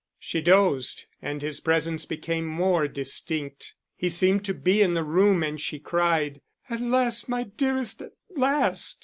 She dozed, and his presence became more distinct. He seemed to be in the room and she cried: "At last, my dearest, at last!"